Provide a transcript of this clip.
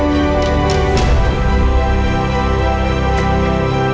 nggak ada apa apa